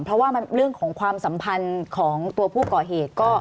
เพราะว่าเรื่องของความสัมพันธ์ของตัวผู้ก่อเหตุ